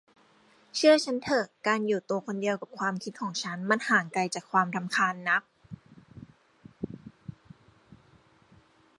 เชื่อฉันเถอะ การอยู่ตัวคนเดียวกับความคิดของฉัน มันห่างไกลจากความรำคาญนัก